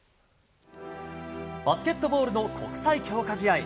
バスケットボールの国際強化試合。